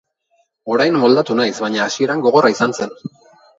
Orain moldatu naiz, baina hasieran gogorra izan zen.